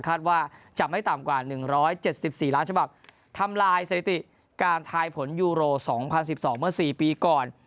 คาดว่าจะไม่ต่ำกว่า๑๗๔ล้านฉบับทำลายสถิติการทายผลยูโร๒๐๑๒เมื่อ๔ปีก่อน